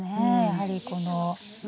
やはりこの。